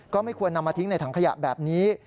ก็ไม่ควรนำมาทิ้งในถังขยะแบบนี้